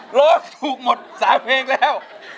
ร้องถูกหมด๓เพลงแล้ว